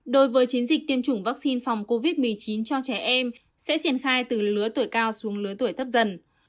đối với chiến dịch tiêm chủng vaccine phòng covid một mươi chín cho trẻ em sẽ triển khai từ lứa tuổi cao xuống lứa tuổi thấp dần